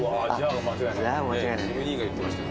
キム兄が言ってました。